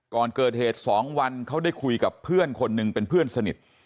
ก่อนเกิดเหตุ๒วันเขาได้คุยกับเพื่อนคนหนึ่งเป็นเพื่อนสนิท